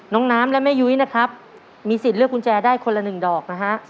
น้องน้ำและแม่ยุ้ยนะครับมีสิทธิ์เลือกกุญแจได้คนละหนึ่งดอกนะฮะ